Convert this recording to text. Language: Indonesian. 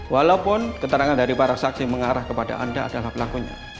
walaupun keterangan dari para saksi mengarah kepada anda adalah pelakunya